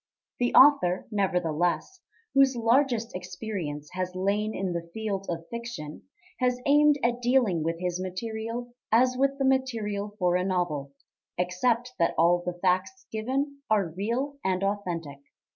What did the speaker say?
The author, nevertheless, whose largest experience has lain in the field of fiction, has aimed at dealing with his material as with the material for a novel, except that all the facts given are real and authentic.